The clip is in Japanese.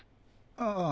ああ。